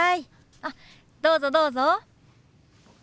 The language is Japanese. あっどうぞどうぞ。